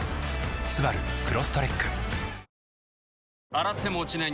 洗っても落ちない